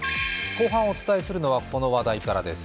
後半お伝えするのは、この話題からです。